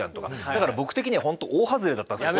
だから僕的には本当大外れだったんですよ。